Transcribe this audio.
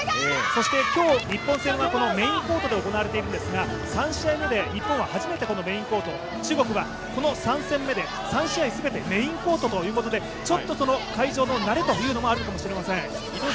そして今日、日本戦はメインコートで行われているんですが、３試合目で日本は初めて、このメインコート、中国は３戦目で３試合全てメインコートということでちょっと会場の慣れというのもあるのかもしれません。